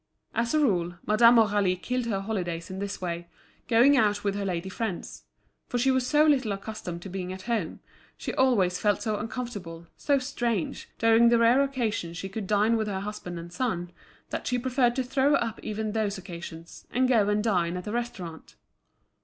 As a rule, Madame Aurélie killed her holidays in this way, going out with her lady friends; for she was so little accustomed to being at home, she always felt so uncomfortable, so strange, during the rare occasions she could dine with her husband and son, that she preferred to throw up even those occasions, and go and dine at a restaurant.